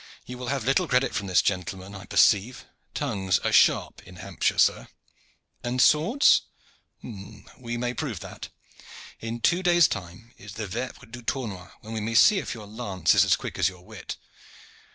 "You will have little credit from this gentleman, I perceive. Tongues are sharp in Hampshire, sir." "And swords?" "Hum! we may prove that. In two days' time is the vepres du tournoi, when we may see if your lance is as quick as your wit."